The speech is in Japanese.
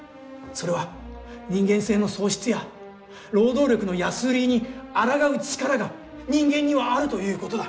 それは人間性の喪失や労働力の安売りに抗う力が人間にはあるということだ。